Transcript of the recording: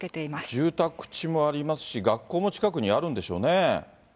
住宅地もありますし、学校も近くにあるんでしょうね。